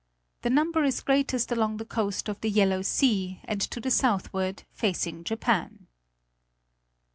The number is greatest along the coast of the Yellow Sea and to the southward, facing Japan.